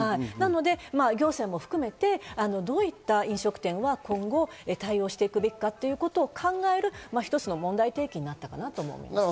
行政も含めてどういった飲食店が今後対応していくべきかっていうことを考える、一つの問題提起になったかなと思います。